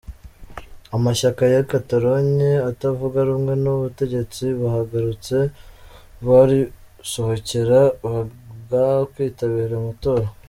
Amashyaka y’i Catalogne atavuga rumwe n’ubutegetsi bahagurutse barisohokera banga kwitabira amatora.